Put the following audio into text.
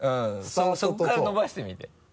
そこから伸ばしてみて。